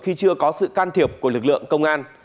khi chưa có sự can thiệp của lực lượng công an